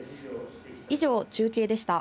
以上、中継でした。